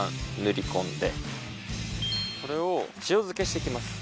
これを塩漬けして行きます。